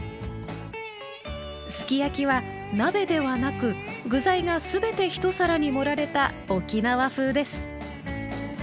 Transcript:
すき焼きは鍋ではなく具材が全て一皿に盛られた沖縄風です。